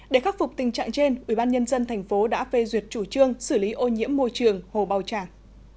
để khắc phục tình trạng trên ubnd tp đã phê duyệt chủ trương xử lý ô nhiễm môi trường hồ bào tràng